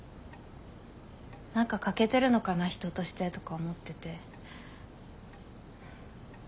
何か欠けてるのかな人としてとか思ってて。